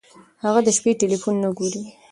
هغه د شپې ټیلیفون نه ګوري.